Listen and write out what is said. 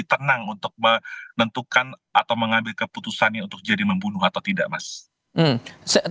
tenang untuk menentukan atau mengambil keputusannya untuk jadi membunuh atau tidak mas